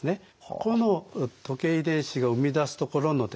この時計遺伝子が生み出すところのですね